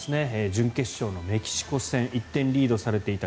準決勝のメキシコ戦１点リードされていた